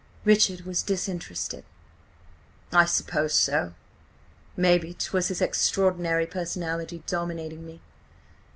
Richard was disinterested. "I suppose so. Mayhap 'twas his extraordinary personality dominating me.